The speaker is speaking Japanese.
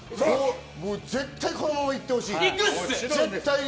絶対このまま行ってほしい。